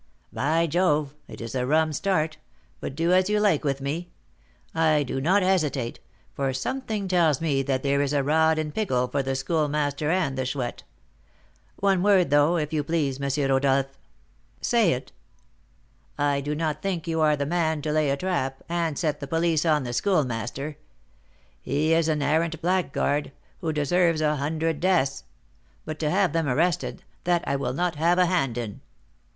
"By Jove! it is a 'rum start;' but do as you like with me. I do not hesitate, for something tells me that there is a rod in pickle for the Schoolmaster and the Chouette. One word, though, if you please, M. Rodolph." "Say it." "I do not think you are the man to lay a trap, and set the police on the Schoolmaster. He is an arrant blackguard, who deserves a hundred deaths; but to have them arrested, that I will not have a hand in."